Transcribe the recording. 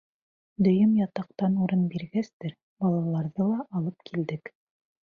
Дөйөм ятаҡтан урын биргәстәр, балаларҙы ла алып килдек.